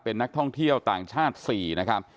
เป็นนักท่องเที่ยวต่างชาติ๔นะครับ